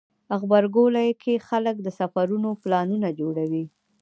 غبرګولی کې خلک د سفرونو پلانونه جوړوي.